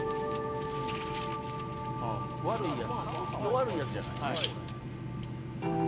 悪いヤツじゃない。